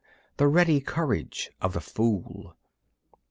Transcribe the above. The ready courage of the fool!